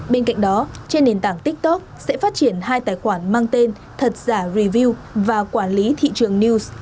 bên cạnh đó trên nền tảng tiktok sẽ phát triển hai tài khoản mang tên thật giả review và quản lý thị trường news